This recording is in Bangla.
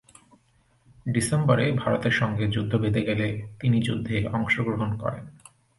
ডিসেম্বরে ভারতের সঙ্গে যুদ্ধ বেঁধে গেলে তিনি যুদ্ধে অংশগ্রহণ করেন।